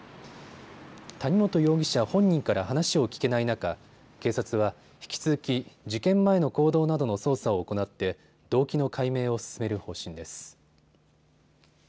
谷本容疑者本人から話を聞けない中、警察は引き続き事件前の行動などの捜査を行って動機の解明を進める方針です。